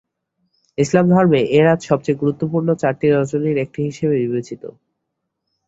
ইসলাম ধর্মে এ রাত সবচেয়ে গুরুত্বপূর্ণ চারটি রজনীর একটি হিসেবে বিবেচিত।